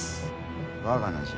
我が名じゃ。